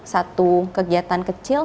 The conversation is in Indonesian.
satu kegiatan kecil